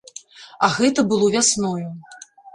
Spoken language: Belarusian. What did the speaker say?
А гэта было вясною.